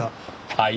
はい？